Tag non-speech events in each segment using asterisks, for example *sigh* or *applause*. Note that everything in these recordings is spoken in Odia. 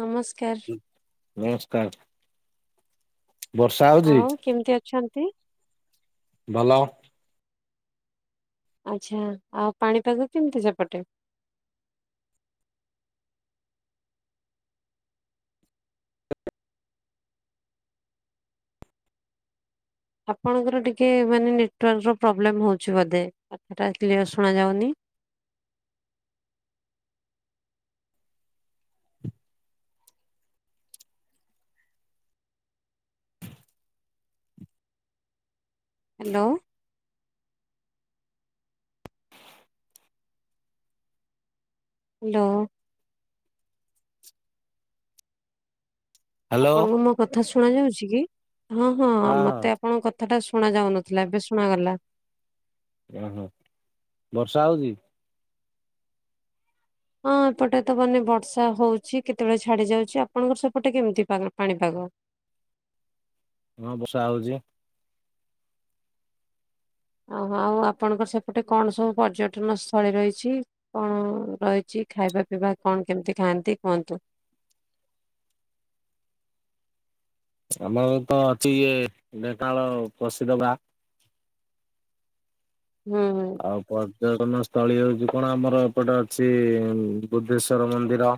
ନମସ୍କାର। ନମସ୍କାର। ବର୍ଷା ହଉଛି ଆଉ କେମିତି ଅଛନ୍ତି। ଭଲ। ଆଚ୍ଛା ଆଉ ପାଣିପାଗ କେମିତି ସେପଟେ? ଆପଣଙ୍କର ଟିକେ ମାନେ ନେଟୱାର୍କର ପ୍ରୋବ୍ଲେମ ହଉଛି ବୋଧେ କଥାଟା କ୍ଲିୟର ଶୁଣ ଯାଉନି। ହ୍ୟାଲୋ। ହ୍ୟାଲୋ। ହ୍ୟାଲୋ ଆପଣଙ୍କୁ ମୋ କଥା ଶୁଣ ଯାଉଛି କି? ହଁ ହଁ ମତେ ଆପଣଙ୍କ କ କଥାଟା ଶୁଣା ଯାଉନଥିଲା ଏବେ ଶୁଣାଗଲା। ହଁ ହଁ ବର୍ଷା ହଉଛି? ହଁ ଏପଟେ ତ ମାନେ ବର୍ଷା ହଉଛି କେତେବେଳେ ଛାଡି ଯାଉଛି ଆପଣଙ୍କର ସେପଟେ କେମିତି ପାଣିପାଗ? ହଁ ବର୍ଷା ହଉଛି। ଓ ହଉ ଆପଣଙ୍କ ସେପଟେ କଣ ସବୁ ପର୍ଯ୍ୟଟନ ସ୍ଥଳୀ ରହିଛି? କଣ ରହିଛି ଖାଇବା ପିଇବା କଣ କେମିତି ଖାଆନ୍ତି କୁହନ୍ତୁ? ଆମର ତ ଅଛି ଇଏ ଢେଙ୍କାନାଳ ପ୍ରସିଦ୍ଧ ଗା। *unintelligible* ଆଉ ପର୍ଯ୍ୟଟନ ସ୍ଥଳୀ ହଉଚି କଣ ଆମର ଏପଟେ ଅଛି ବୁଦ୍ଧେଶ୍ଵର ମନ୍ଦିର।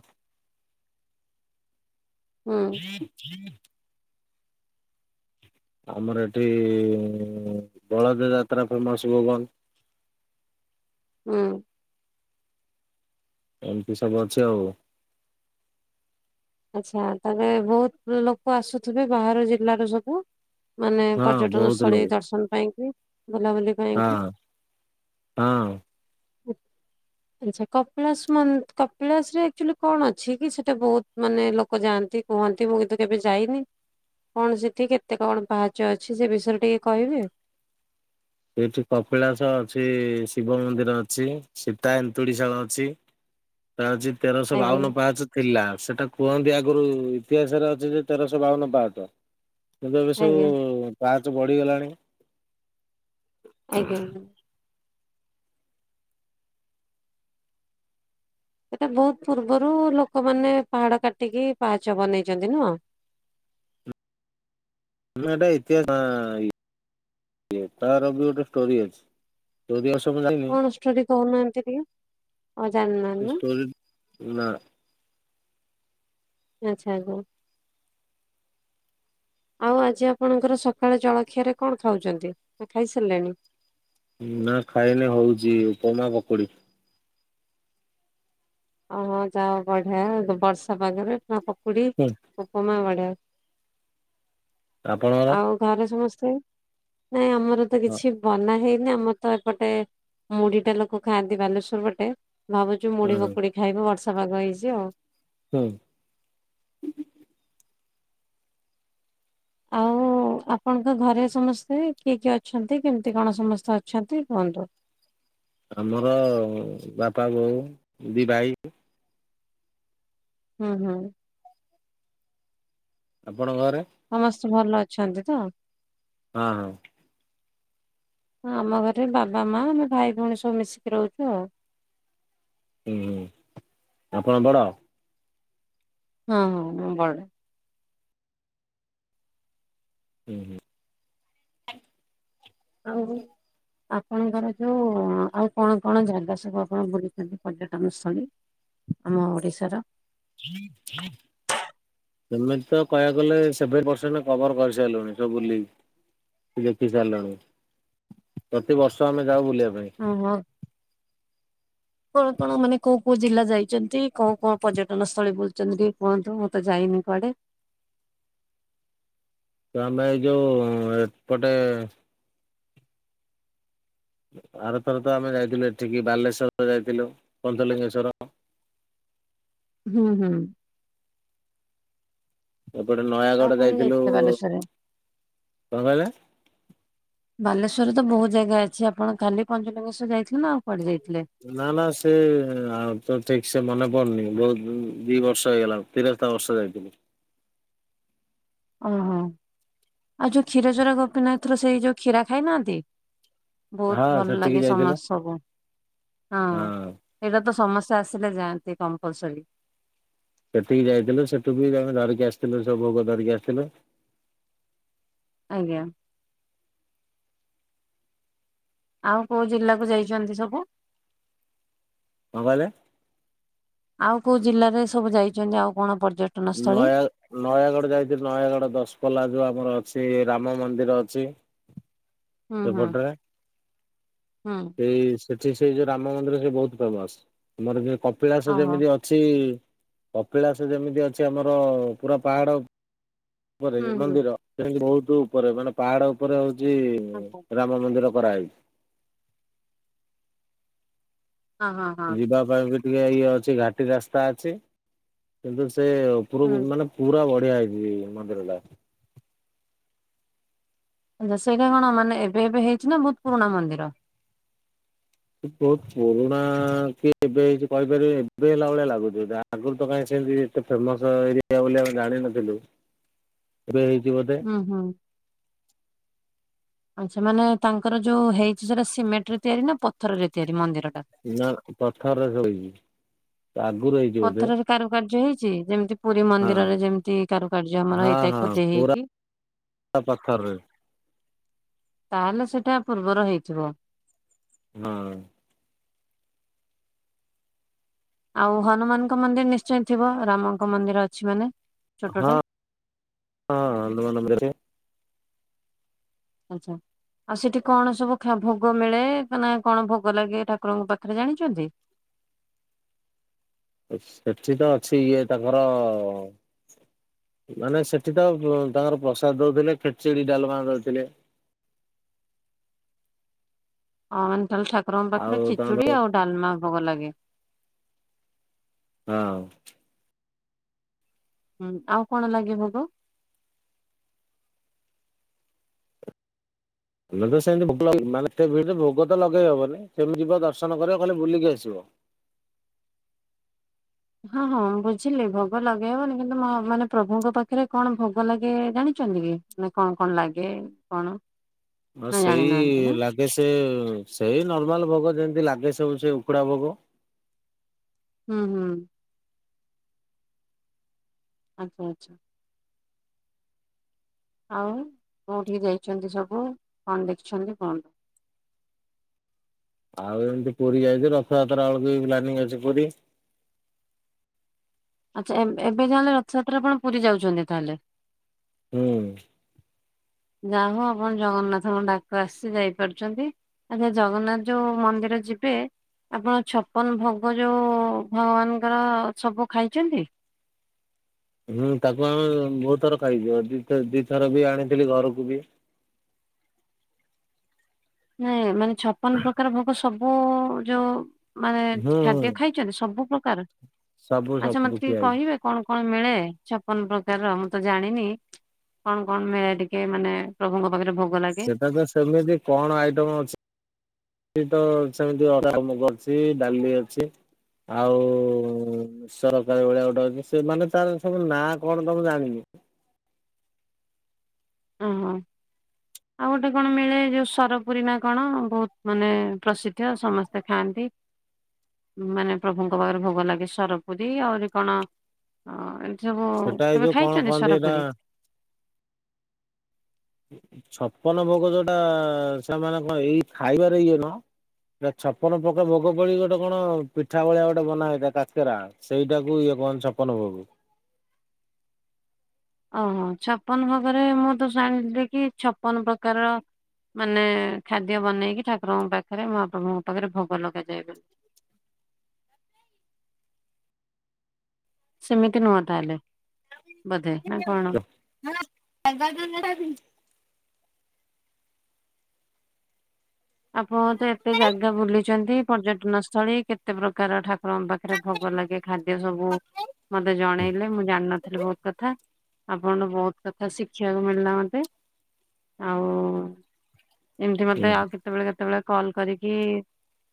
ହଁ ହୁଁ ହଁ *unintelligible* ଆମର ଏଠି ବଳଦେ ଯାତ୍ରା ଫେମସ୍ ଭୁବନ। *unintelligible* ଏମତି ସବୁ ଅଛି ଆଉ। ଆଚ୍ଛା ତାହେଲେ ବହୁତ ଲୋକ ଆସୁଥିବେ ବାହାର ଜିଲ୍ଲାର ସବୁ? ମାନେ ହଁ ପର୍ଯ୍ୟଟନ ବହୁତ ସ୍ଥଳୀ ଲୋକ ଦର୍ଶନ ପାଇଁକି ବୁଲାବୁଲି ପାଇଁ ହଁ, ହଁ। ଉ, ଆଚ୍ଛା କପିଳାସ ମନ କପିଳାସ ରେ ଐକ୍ଚୁଲି କଣ ଅଛି କି ସେଟା ବଉ ମାନେ ଲୋକ ଯାଆନ୍ତି କୁହନ୍ତି ମୁଁ କିନ୍ତୁ କେବେ ଯାଇନି। କଣ ସେଠି କେତେ କଣ ପାହାଚ ଅଛି ସେ ବିଷୟରେ ଟିକେ କହିବେ? ସେଇଠି କପିଳାସ ଅଛି ଶିବ ମନ୍ଦିର ଅଛି। ସୀତା ଏନ୍ତୁଡ଼ି ସାଳ ଅଛି। ତା ଅଛି ତେରଶହ ଆଜ୍ଞା ବାଉନ ପାହାଚ ଥିଲା ସେଟା କୁହନ୍ତି ଆଗରୁ ଇତିହାସରେ ଅଛି ଯେ ତେରଶହ ବାଉନ ପାହାଚ। କିନ୍ତ ଏବେ ଆଜ୍ଞା ସବୁ ପାହାଚ ବଢିଗଲାଣି। ଆଜ୍ଞା। ସେ ତ ବହୁତ ପୂର୍ବରୁ ଲୋକମାନେ ପାହାଡ କାଟିକି ପାହାଚ ବନେଇଚନ୍ତି ନୁହଁ? ଆମ ଏଟା ଇତିହାସ ତା ଇ- ଏଟାର ବି ଗୋଟେ ଷ୍ଟୋରି ଅଛି। କପିଳାସ ମୁଁ ଯାଇନି। କଣ ଷ୍ଟୋରି କହୁନାହାନ୍ତି ଟିକେ ଆଉ ସେ ଜାଣିନାହାନ୍ତି ଷ୍ଟୋରି ଏ ନା। ଆଚ୍ଛା ଆଗ ଆଉ ଆଜି ଆପଣଙ୍କର ସକାଳ ଜଳଖିଆରେ କଣ ଖାଉଚନ୍ତି ନା ଖାଇସାରିଲେଣି? ନା ଖାଇନି ହଉଚି ଉପମା ପକୁଡି। ଓ ହଁ ଯା ବଢିଆ ବର୍ଷା ପାଗରେ ତ ପକୁଡି ହୁଁ ଉପମା ବଢିଆ। ଆପଣଙ୍କର? ଆଉ ଘରେ ସମସ୍ତେ, ନାଇଁ ଆମର ତ ହଁ କିଛି ବନା ହେଇନି ଆମ ତ ଏପଟେ ମୁଢି ଟା ଲୋକ ଖାଆନ୍ତି ବାଲେଶ୍ୱର ପଟେ ଭାବୁଛୁ ମୁଢି ହୁଁ କୁ ଖାଇବୁ ବର୍ଷା ପାଗ ହେଇଛି ଆଉ। ହୁଁ। ଆଉ ଆଉ ଆପଣଙ୍କ ଘରେ ସମସ୍ତେ କିଏ କିଏ ଅଛନ୍ତି କେମିତି କଣ ସମସ୍ତେ ଅଛନ୍ତି କୁହନ୍ତୁ? ଆମର ବାପା, ବୋଉ, ଦି ଭାଇ ହଁ, ହଁ। ଆପଣଙ୍କ ଘରେ? ସମସ୍ତେ ଭଲ ଅଛନ୍ତି ତ? ହଁ, ହଁ। ହଁ ଆମ ଘରେ ବାବା ମା ଆମେ ଭାଇ ଭଉଣୀ ସବୁ ମିଶିକି ରହୁଛୁ ଆଉ। ହୁଁ, ହୁଁ, ଆପଣ ବଡ଼? ହଁ, ହଁ ମୁଁ ବଡ଼। ହୁଁ, ହୁଁ। ଆଉ ଆପଣଙ୍କର ଯୋଉ ଆଉ କଣ କଣ ଜାଗା ସବୁ ଆପଣ ବୁଲିଛନ୍ତି ପର୍ଯ୍ୟଟନ ସ୍ଥଳୀ? ଆମ ଓଡିଶାର? ଠିକ ସେମିତି ତ କହିବାକୁ ଗଲେ ସେଭେଣ୍ଟ ପରସେଣ୍ଟ କଭର କରିସାରିଲଣି ସବୁ ବୁଲିକି। ଦେଖି ସାରିଲୁଣି ପ୍ରତିିବର୍ଷ ଆମେ ଯାଉ ବୁଲିବା ପାଇଁ। ଓ ହୋ। କଣ କଣ ମାନେ କୋଉ କୋଉ ଜିଲ୍ଲା ଯାଇଛନ୍ତି କୋଉ କଣ ପର୍ଯ୍ୟଟନ ସ୍ଥଳୀ ବୁଲୁଛନ୍ତି କୁହନ୍ତୁ ମୁଁ ତ ଯାଇନି କୁଆଡେ? ତମେ ଏଇ ଯୋଉ ଏପଟେ ଆରଥର ତ ଆମେ ଯାଇଥିଲୁ ଏଠିକି ବାଲେଶ୍ଵର ଯାଇଥିଲୁ ପଞ୍ଚଲିଙ୍ଗେଶ୍ଵର। ହୁଁ ହୁଁ। ଏପଟେ ଆଉ ନୟାଗଡ଼ କଣ ଯାଇଥିଲୁ ଯାଇଥିଲେ ବାଲେଶ୍ଵରରେ? କଣ କହିଲେ? ବାଲେଶ୍ୱରରେ ତ ବହୁତ ଜାଗା ଅଛି ଆପଣ ଖାଲି ପଞ୍ଚଲିଙ୍ଗେଶ୍ୱର୍ ଯାଇଥିଲେ ନା ଆଉ କୁଆଡେ ଯାଇଥିଲେ? ନା ନା ସେ ଆଉ ତ ଠିକ ସେ ମନେ ପଡୁନି ବହୁତ ଦି ବର୍ଷ ହେଇଗଲା। ତେରସ୍ତା ବର୍ଷ ଯାଇଥିଲି। ଓହୋ ଆଉ ଯୋଉ କ୍ଷୀର ଜୋଉରା ଗୋପୀନାଥର ସେଇ ଯୋଉ କ୍ଷୀର ଖାଇନାହାନ୍ତି? ହଁ ବହୁତ ଭଲ ସେଠିକି ଲାଗେ ଯାଇଥିଲୁ ସମାଜ ସବୁ ହଁ। ଏଇଟା ତ ସମସ୍ୟା ଆସିଲେ ଯାଆନ୍ତି କମ୍ପଲସରୀ। ସେଠିକି ଯାଇଥିଲ ସେଠୁ ବି ଆମେ ଧରିକି ଆସିଥିଲୁ ସବୁ ଭୋଗ ଧରିକି ଆସିଥିଲୁ। ଆଜ୍ଞା। ଆଉ କୋଉ ଜିଲ୍ଲାକୁ ଯାଇଛନ୍ତି ସବୁ? କଣ କହିଲେ? ଆଉ କୋଉ ଜିଲ୍ଲାରେ ସବୁ ଯାଇଛନ୍ତି ଆଉ କଣ ପର୍ଯ୍ୟ ନୟା ନୟାଗଡ଼ ଯାଇଥିଲି ନୟାଗଡ଼ ଦଶପଲ୍ଲା ଯୋଉ ଆମର ଅଛି ରାମ ମନ୍ଦିର ଅଛି। ହୁଁ ହୁଁ ସେପଟରେ ହୁଁ ସେଇ ସେଠି ସେଇ ଯୋଉ ରାମ ମନ୍ଦିର ସେ ବହୁତ ଫେମସ। ଆମର ଯେ କପିଳାସ ଯେମିତି ଅ ହୁଁ ଅଛି କପିଳାସ ଯେମିତି ଅଛି ଆମର ପୁରା ପାହାଡ। ଉପରେ ହୁଁ ମନ୍ଦିର ସେ ବହୁତ ଉପରେ ମାନେ ପାହାଡ ଉପରେ ହଉଛି ହଁ ହଁ ରା ମନ୍ଦିର କରାହେଇଛି। ହଁ। ଯିବା ପାଇଁ ବି ଟିକେ ଇଏ ଅଛି ଘାଟି ରାସ୍ତା ଅଛି କିନ୍ତୁ ସେ ହୁଁ ଉପରକୁ ମାନେ ପୁରା ବଢିଆ ହେଇଛି ମନ୍ଦିର ଟା। ଆ ସେଇଟା କଣ ମାନେ ଏବେ ଏବେ ହେଇଛି ନା ବହୁତ ପୁରୁଣା ମନ୍ଦିର। ବହୁତ ପୁରୁଣା କି ଏବେ ହେଇଛି କହିପାରିବିନି ଏବେ ହେଲା ଭଳିଆ ଲାଗୁଛି। ଆଗରୁ ତ କାଇଁ ସେମିତି ଏତେ ଫେମସ୍ ଏରିଆ ବୋଲି ଆମେ ଜାଣିନଥିଲୁ। *inaudible* ଏବେ ହେଇଚି ବୋଧେ। ହୁଁ ହୁଁ। ଆଚ୍ଛା ମାନେ ତାଙ୍କର ଯୋଉ ହେଇଛି ସେଟା ସିମେଣ୍ଟ ରେ ତିଆରି ନା ପଥରରେ ତିଆରି ମନ୍ଦିର ଟା? ନା ପଥରରେ ସୋଇଛି ଆଗରୁ ହେଇଛି ବୋଧେ। ପଥରରେ କାରୁକାର୍ଯ୍ୟ ହେଇଛି ଯେମିତି ପୁରୀ ହଁ ମନ୍ଦିରରେ ଯେମିତି କାରୁକାର୍ଯ୍ୟ ଆମର ହଁ ହେଇଥାଏ ହଁ ଖୋଦି ପୁରା ହେଇକି। ପାଖରେ ତାହେଲେ ସେଇଟା ପୂର୍ବର ହେଇଥିବ? ହଁ। ଆଉ ହନୁମାନଙ୍କ ମନ୍ଦିର ନିଶ୍ଚୟ ଥିବ ରାମଙ୍କ ମନ୍ଦିର ଅଛି ମାନେ। ହଁ ଛୋଟଟେ। ହଁ *unintelligible* ରେ। ଆଚ୍ଛା। ଆଉ ସେଠି କଣ ସବୁ ଭୋଗ ମିଳେ ନା କଣ ଭୋଗ ଲାଗେ ଠାକୁରଙ୍କ ପାଖରେ ଜାଣିଚନ୍ତି? ସେଠି ତ ଅଛି ଇଏ ତାଙ୍କର ମାନେ ସେଠି ତ ତାଙ୍କର ପ୍ରସାଦ ଦଉଥିଲେ ଖିଚିଡ଼ି ଡ଼ାଲମା ଦଉଥିଲେ। ଓହୋ ତାହେଲେ ଠାକୁରଙ୍କ ଆଉ ପାଖରେ ତାଙ୍କର ଖିଚୁଡ଼ି ହଁ ଆଉ ଡ଼ାଲମା ଭୋଗ ଲାଗେ। ହଁ। ହୁଁ ଆଉ କଣ ଲାଗେ ଭୋଗ? ଆମେ ତ ସେମିତି ମାନେ ସେ ଭୋଗ ତ ଲଗେଇ ହବନି ସେମିତି ଯିବ ଦର୍ଶନ କରିବ କହିଲେ ବୁଲିକି ଆସିବ। ହଁ ହଁ ବୁଝିଲି ଭୋଗ ଲଗେଇହବନି। କିନ୍ତୁ ମା-ମାନେ ପ୍ରଭୁଙ୍କ ପାଖରେ କଣ ଭୋଗ ଲାଗେ ଜାଣିଚନ୍ତି କି? ନେ କଣ କଣ ଲାଗେ କଣ? ଆଉ ନା ସେଇ ଜାଣିନାହାନ୍ତି ନା ଲାଗେ ସେ ସେଇ ନର୍ମାଲ ଭୋଗ ଯେମିତି ଲାଗେ ସବୁ ସେ ଉଖୁଡା ଭୋଗ। ହୁଁ, ହୁଁ। ଆଚ୍ଛା, ଆଚ୍ଛା। ଆଉ କୋଉଠିକି ଯାଇଛନ୍ତି ସବୁ କଣ ଦେଖିଛନ୍ତି କୁହନ୍ତୁ? ଆଉ ଏମିତି ପୁରୀ ଯାଇଚେ। ରଥଯାତ୍ରା ବେଳକୁ ବି ପ୍ଲାନିଂ ଅଛି ପୁରୀ। ଆଚ୍ଛା ଏ ଏବେ ଯାହେଲେ ରଥଯାତ୍ରା ଆପଣ ପୁରୀ ଯାଉଛନ୍ତି ତାହେଲେ। ହୁଁ। ଯାହଉ ଆପଣ ଜଗନ୍ନାଥଙ୍କ ଡାକ ଆସିଚି ଯାଇପାରୁଛନ୍ତି। ଆଚ୍ଛା ଜଗନ୍ନାଥ ଯୋଉ ମନ୍ଦିର ଯିବେ ଆପଣ ଛପନ ଭୋଗ ଯୋଉ ଭଗବାନଙ୍କର ସବୁ ଖାଇଛନ୍ତି? ହୁଁ ତାକୁ ଆମେ ବହୁତ ଥର ଖାଇଚୁ ଆ, ଦିଥ ଦିଥର ବି ଆଣିଥିଲି ଘରକୁ ବି। ନାଇଁ ମାନେ ଛପନ ପ୍ରକାର ଭୋଗ ସବୁ ଯୋଉ ମାନେ ହୁଁ ଖାଦ୍ୟ ଖାଇ ଚନ୍ତି ସବୁ ପ୍ରକାର ସବୁ ଆଚ୍ଛା ସବୁ ମୋତେ ଟିକେ ଖିଆ ହେଇଛି। କହିବେ? କଣ କଣ ମିଳେ ଛପନ ପ୍ରକାର ର ମୁଁ ତ ଜାଣିନି? କଣ କଣ ମିଳେ ଟିକେ ମାନେ ପ୍ରଭୁଙ୍କ ପାଖରେ ଭୋଗ ଲାଗ ସେଟା ତ ସେମିତି କଣ ଆଇଟମ ଅଛି ଇତ ସେମିତି *inaudible* ମୁଗ ଅଛି, ଡାଲି ଅଛି। ଆଉ ସରକାରୀ ଭଳିଆ ଗୋଟେ ଅଛି ସେମାନେ ତାର ସବୁ ନାଁ କଣ ତ ମୁଁ ଜାଣିନୁ। ଅଁ, ହଁ। ଆଉ ଗୋଟେ କଣ ମିଳେ ଯୋଉ ସରପୁରୀ ନା କଣ ବହୁତ ମାନେ ପ୍ରସିଦ୍ଧ ସମସ୍ତେ ଖାଆନ୍ତି। ମାନେ ପ୍ରଭୁଙ୍କ ପାଖରେ ଭୋଗ ଲାଗେ ସରପୁରୀ ଆହୁରି କଣ ହଁ ଏମିତି ସବୁ ସେଟା ଏଇ କେବେ ଯୋଉ କଣ ଖାଇଛନ୍ତି କହନ୍ତି ଏଇଟା ସୋରପୁରୀ? ଛପନ ଭୋଗ ଯୋଉଟା ସେମାନେ କଣ ଏଇ ଖାଇବାରେ ଇଏ ନୁହଁ। ଏ ଛପନ ପକା ଭୋଗ ପଡି ଗୋଟେ କଣ ପିଠା ଭଳିଆ ଗୋଟେ ବନାହେଇଥାଏ କାକେରା। ସେଇଟାକୁ ଇଏ କହନ୍ତି ଛପନ ଭୋଗ। ଓହୋ! ଛପନ ଭୋଗରେ ମୁଁ ତ ଜାଣଥିଲି କି ଛପନ ପ୍ରକାର ର ମାନେ ଖାଦ୍ୟ ବନେଇକି ଠାକୁରଙ୍କ ପାଖରେ ମହାପ୍ରଭୁଙ୍କ ପାଖରେ ଭୋଗ ଲଗାଯାଏ ବୋଲି। ସେମିତି ନୁହଁ ତାହେଲେ ବୋଧେ ନା କଣ? ନା ନା ଏଗାର ଦିନ ଟା ବି ଆପଣ ତ ଏତେ ଜାଗା ବୁଲିଛନ୍ତି ପର୍ଯ୍ୟଟନ ସ୍ଥଳୀ କେତେ ପ୍ରକାର ଠାକ ରଙ୍କ ପାଖରେ ଭୋଗ ଲାଗେ ଖାଦ୍ୟ ସବୁ ମୋତେ ଜଣେଇଲେ ମୁଁ ଜାଣିନଥିଲି ବହୁତ କଥା। ଆପଣ ବହୁତ କଥା ଶିଖିବାକୁ ମିଳିଲା ମୋତେ। ଆଉ ଏମିତି ହୁଁ ମୋତେ ଆଉ କେ ତେବେଳେ କେତେବେଳେ କଲ୍ କରିକି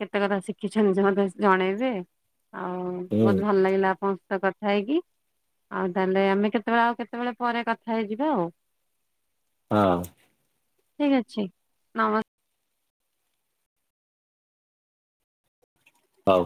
କେତେ କଥା ଶିଖିଛନ୍ତି ଯେ ମୋତେ ଜଣେଇବେ। ଆଉ ହୁଁ। ବହୁତ ଭଲ ଲାଗିଲା ଆପଣଙ୍କ ସହିତ କଥା ହେଇକି। ଆଉ ତାହେଲେ ଆମେ କେତେବେଳେ ଆଉ କେତେବେଳେ ପରେ କଥା ହେଇଯିବା ଆଉ। ହଁ। ଠିକ୍ ଅଛି ନମ ହଉ।